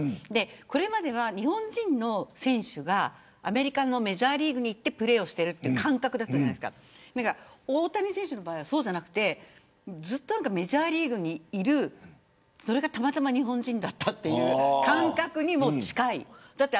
これまでは日本人の選手がアメリカのメジャーリーグに行ってプレーをしているという感覚だったんですけど大谷選手の場合はそうじゃなくてずっとメジャーリーグにいるそれがたまたま日本人だったという感覚に近い。